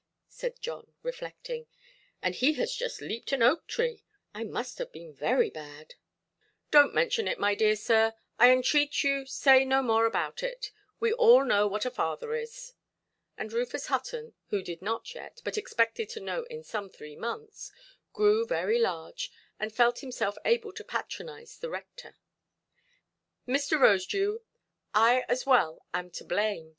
said John, reflecting, "and he has just leaped an oak–tree! I must have been very bad". "Donʼt mention it, my dear sir, I entreat you say no more about it. We all know what a father is". And Rufus Hutton, who did not yet, but expected to know in some three months, grew very large, and felt himself able to patronise the rector. "Mr. Rosedew, I as well am to blame.